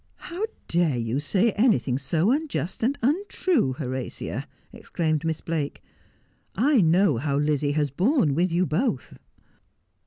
'How dare you say anything so unjust and untrue, Horatia?' exclaimed Miss Blake. ' I know how Lizzie has borne with you both.'